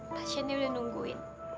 pasiennya udah nungguin